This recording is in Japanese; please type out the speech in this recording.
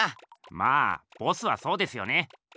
まあボスはそうですよね。